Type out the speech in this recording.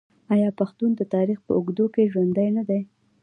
آیا پښتون د تاریخ په اوږدو کې ژوندی نه دی؟